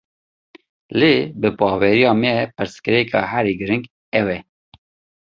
Lê bi baweriya me, pirsgirêka herî girîng ew e